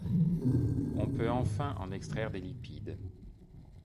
On peut enfin en extraire des lipides.